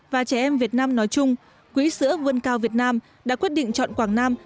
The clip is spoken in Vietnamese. và trẻ em việt nam nói chung quỹ sữa vươn cao việt nam đã quyết định chọn quảng nam